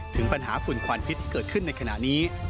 ถึงปัญหาฝุ่นควันพิษเกิดขึ้นในขณะนี้